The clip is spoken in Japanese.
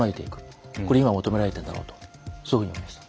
これ今求められているだろうとそういうふうに思いました。